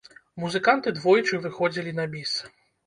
Музыканты двойчы выходзілі на біс.